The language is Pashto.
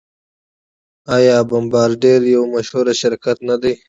آیا بمبارډیر یو مشهور شرکت نه دی؟